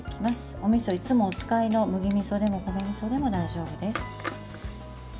おみそは、いつもお使いの麦みそでも米みそでも大丈夫です。